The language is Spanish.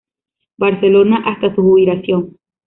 Barcelona, hasta su jubilación.